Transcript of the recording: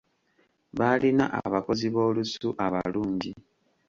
Baalina abakozi b'olusu abalungi.